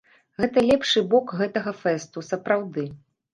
Гэта лепшы бок гэтага фэсту, сапраўды.